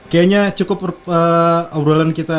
kayaknya cukup obrolan kita